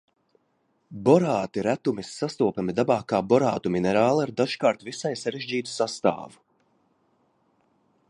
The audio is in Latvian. Borāti retumis sastopami dabā kā borātu minerāli ar dažkārt visai sarežģītu sastāvu.